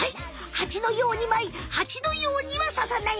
ハチのようにまいハチのようにはささない